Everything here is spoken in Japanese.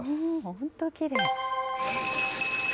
本当きれい。